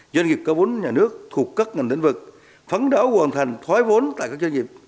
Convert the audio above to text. doanh nghiệp có vốn nhà nước thuộc các ngành tính vật phán đáo hoàn thành thoái vốn tại các doanh nghiệp